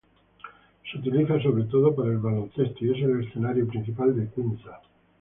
Se utiliza sobre todo para el baloncesto y es el escenario principal de Quimsa.